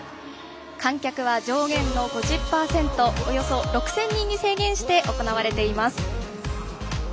観客は上限の５０％およそ６０００人に制限して行われています。